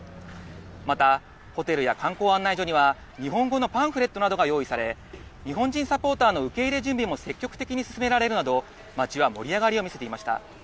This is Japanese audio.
また、ホテルや観光案内所には日本語のパンフレットなどが用意され、日本人サポーターの受け入れ準備も積極的に進められるなど、街は盛り上がりを見せていました。